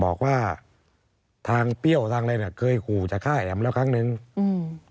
บอกว่าทางเปรี้ยวทางอะไรเนี้ยเคยขู่จากค่ายแอมแล้วครั้งหนึ่งอืม